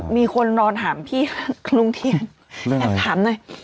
มีคนนอนถามพี่ลุงเทียนแอบถามหน่อย